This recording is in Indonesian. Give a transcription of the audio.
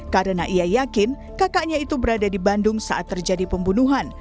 karena ia yakin kakaknya itu berada di bandung saat terjadi pembunuhan